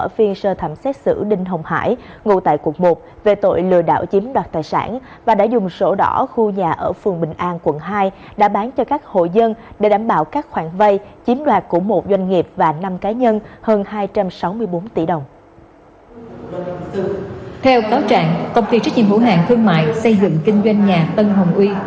theo cáo trạng công ty trách nhiệm hữu hạng thương mại xây dựng kinh doanh nhà tân hồng uy